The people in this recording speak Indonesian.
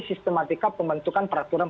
sistematika pembentukan peraturan